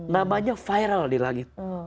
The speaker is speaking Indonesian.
namanya viral di langit